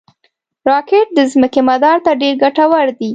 راکټ د ځمکې مدار ته ډېر ګټور دي